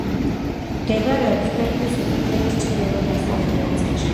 მდებარეობს ქვეყნის უკიდურეს ჩრდილო-დასავლეთ ნაწილში.